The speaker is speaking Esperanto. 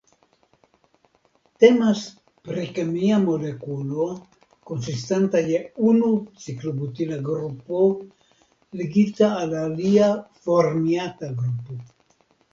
Temas pri kemia molekulo konsistanta je unu ciklobutila grupo ligita al alia formiata grupo.